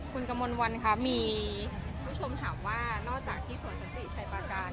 คุณกำวนวันค่ะมีผู้ชมถามว่านอกจากที่สวนสติชัยประการ